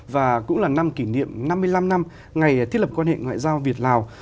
và cũng là năm kỷ niệm năm mươi năm năm ngày thiết lập quan hệ ngoại giao việt lào